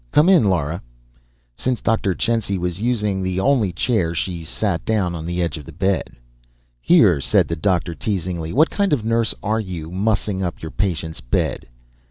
"Come in, Lara." Since Dr. Chensi was using the only chair she sat down on the edge of the bed. "Here," said the doctor, teasingly, "what kind of nurse are you, mussing up your patient's bed?"